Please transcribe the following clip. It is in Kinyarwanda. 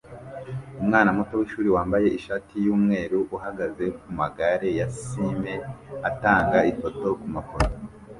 Umwana muto wishuri wambaye ishati yumweru uhagaze kumagare ya sime atanga ifoto kumafoto